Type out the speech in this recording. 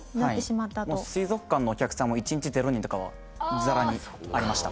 もう水族館のお客さんも１日０人とかはざらにありました。